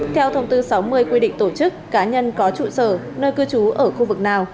theo thông tư sáu mươi quy định tổ chức cá nhân có trụ sở nơi cư trú ở khu vực nào